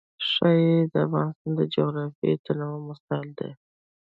ښتې د افغانستان د جغرافیوي تنوع مثال دی.